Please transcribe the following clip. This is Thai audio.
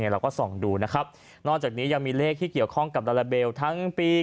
เราก็ส่องดูนะครับนอกจากนี้ยังมีเลขที่เกี่ยวข้องกับลาลาเบลทั้งปี